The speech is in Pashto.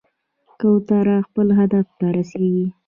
کوتره خپل هدف ته رسېږي.